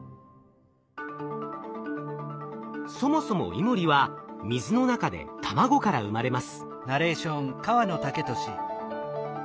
そもそもイモリは水の中で卵から生まれます。